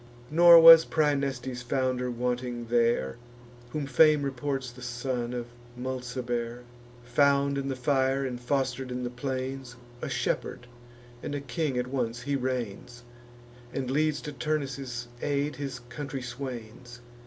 Nor was Praeneste's founder wanting there, Whom fame reports the son of Mulciber: Found in the fire, and foster'd in the plains, A shepherd and a king at once he reigns, And leads to Turnus' aid his country swains.